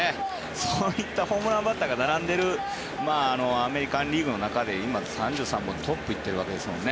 そういったホームランバッターがアメリカン・リーグの中で今、３３本でトップを行っているわけですよね。